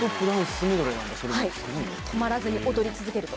止まらずに踊り続けると。